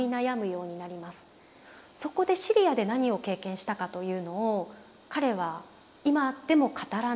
そこでシリアで何を経験したかというのを彼は今でも語らないんですよ。